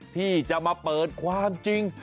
ที่จะมาเปิดความจริง